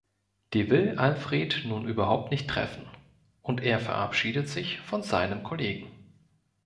Die will Alfred nun überhaupt nicht treffen, und er verabschiedet sich von seinem Kollegen.